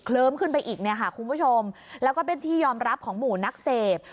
เคลิ้มขึ้นไปอีกคุณผู้ชมแล้วก็เป็นที่ยอมรับของหมู่นักเสพ